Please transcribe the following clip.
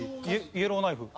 イエローナイフ？